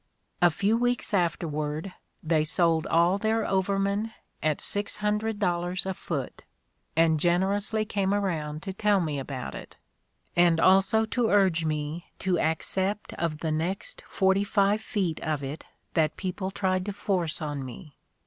A few weeks afterward they sold all their 'Overman' at six hundred dollars a foot and generously came around to tell me about it — and also to urge me to accept of the next forty five feet of it that people tried to force on me.